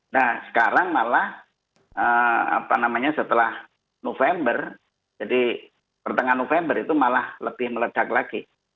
nah sekarang malah apa namanya setelah november jadi pertengahan november itu malah lebih meledak lagi